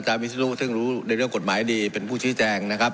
ผมจะขออนุญาตให้ท่านอาจารย์วิทยุซึ่งรู้เรื่องกฎหมายดีเป็นผู้ชี้แจงนะครับ